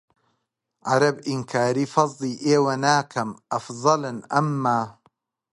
عەرەب ئینکاری فەزڵی ئێوە ناکەم ئەفزەلن ئەمما